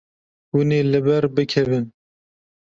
Hûn ê li ber bikevin.